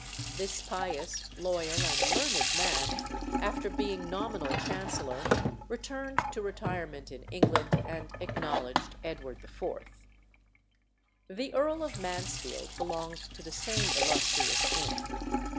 This pious, loyal, and learned man, after being nominal Chancellor, returned to retirement in England, and acknowledged Edward IV. The Earl of Mansfield belonged to the same illustrious inn.